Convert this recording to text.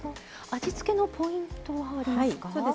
味付けのポイントはありますか？